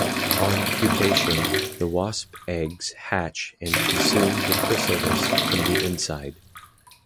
On pupation, the wasp eggs hatch and consume the chrysalis from the inside.